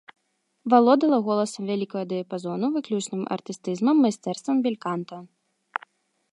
Валодала голасам вялікага дыяпазону, выключным артыстызмам, майстэрствам бельканта.